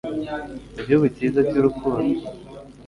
Mu gihugu cyiza cy'urukundo